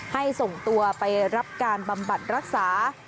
ส่งตัวไปรับการบำบัดรักษา